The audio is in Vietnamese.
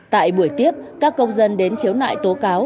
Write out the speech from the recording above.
tại buổi tiếp các công dân đến khiếu nại tố cáo